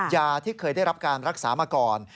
ที่เคยได้รับการรักษามาก่อน